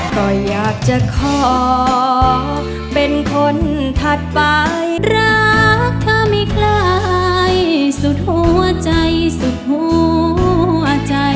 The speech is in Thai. ก็อยากจะขอเป็นคนถัดไปรักเธอไม่คล้ายสุดหัวใจสุดหัวใจ